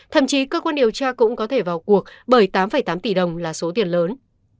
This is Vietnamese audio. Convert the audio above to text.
thậm chí cơ quan điều tra cũng có thể vào cuộc bởi tám tám tỷ đồng là số tiền lớn